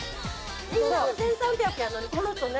みんなは１，３００やのにこの人ね